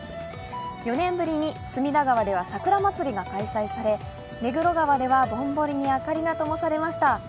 ４年ぶりに隅田川ではさくらまつりが開催され目黒川では、ぼんぼりに明かりがともされました。